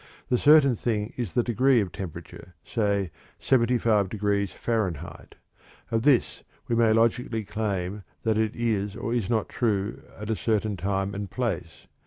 The certain thing is the degree of temperature, say 75 degrees Fahrenheit; of this we may logically claim that it is or is not true at a certain time or place.